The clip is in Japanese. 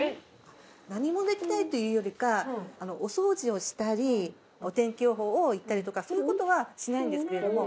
何もできないというよりかお掃除をしたりお天気予報を言ったりとかそういう事はしないんですけれども。